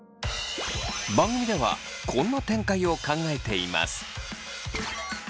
番組ではこんな展開を考えています。